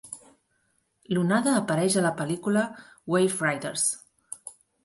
L'onada apareix a la pel·lícula "Waveriders".